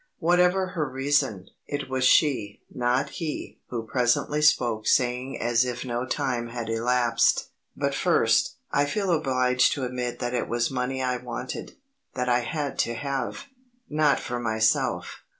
Whatever her reason, it was she, not he, who presently spoke saying as if no time had elapsed: "But first, I feel obliged to admit that it was money I wanted, that I had to have. Not for myself.